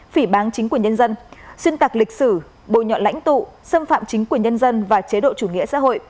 phỉ bán chính quyền nhân dân xuyên tạc lịch sử bồi nhọ lãnh tụ xâm phạm chính quyền nhân dân và chế độ chủ nghĩa xã hội